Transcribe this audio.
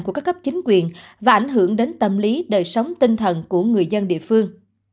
của các cấp chính quyền và ảnh hưởng đến tâm lý đời sống tinh thần của người dân địa phương